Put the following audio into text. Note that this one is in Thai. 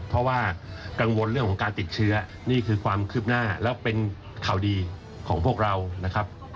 เพราะว่ากังวลเรื่องของการติดเชื้อนี่คือความคืบหน้าแล้วเป็นข่าวดีของพวกเรานะครับ